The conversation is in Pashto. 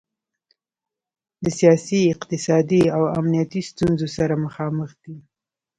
د سیاسي، اقتصادي او امنیتي ستونخو سره مخامخ دی.